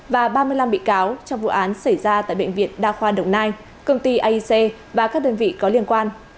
và ba mươi năm bị cáo trong vụ án xảy ra tại bệnh viện đa khoa đồng nai công ty aic và các đơn vị có liên quan